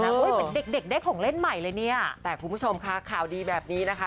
เหมือนเด็กเด็กได้ของเล่นใหม่เลยเนี่ยแต่คุณผู้ชมค่ะข่าวดีแบบนี้นะคะ